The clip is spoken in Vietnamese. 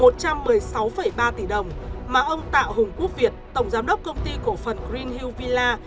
bốn trăm một mươi sáu ba tỷ đồng mà ông tạo hùng quốc việt tổng giám đốc công ty cổ phần green hill villa